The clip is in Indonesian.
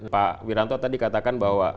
pak wiranto tadi katakan bahwa